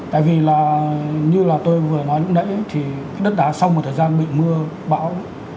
tại vì là như là tôi vừa nói lúc nãy thì đất đá sau một thời gian bị mưa bão